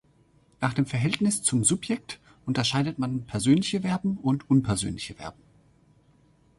Nach dem Verhältnis zum Subjekt unterscheidet man "persönliche Verben" und "unpersönliche Verben".